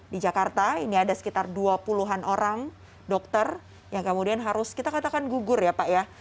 di jakarta ini ada sekitar dua puluh an orang dokter yang kemudian harus kita katakan gugur ya pak ya